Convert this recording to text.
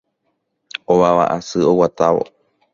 ovava asy oguatávo